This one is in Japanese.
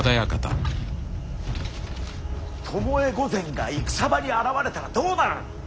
巴御前が戦場に現れたらどうなる。